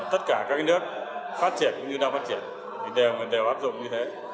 tất cả các nước phát triển cũng như đang phát triển thì đều áp dụng như thế